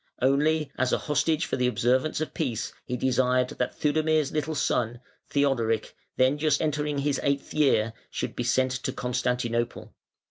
Only, as a hostage for the observance of peace he desired that Theudemir's little son, Theodoric, then just entering his eighth year, should be sent to Constantinople.